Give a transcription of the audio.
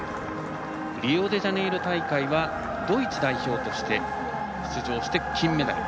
リオデジャネイロ大会はドイツ代表として出場して金メダル。